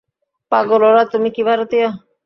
পাগল ওরা তুমি কি ভারতীয়?